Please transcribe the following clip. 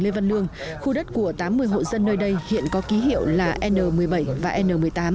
lê văn lương khu đất của tám mươi hộ dân nơi đây hiện có ký hiệu là n một mươi bảy và n một mươi tám